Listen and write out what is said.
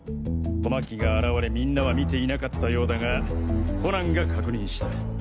小牧が現れみんなは見ていなかったようだがコナンが確認した。